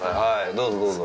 どうぞどうぞ。